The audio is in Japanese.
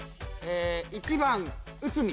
１番内海。